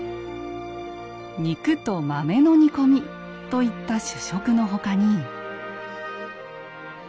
「肉と豆の煮込み」といった主食の他に。